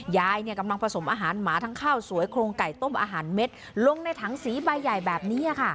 ยายกำลังผสมอาหารหมาทั้งข้าวสวยโครงไก่ต้มอาหารเม็ดลงในถังสีใบใหญ่แบบนี้